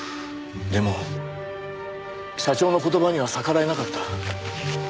でも社長の言葉には逆らえなかった。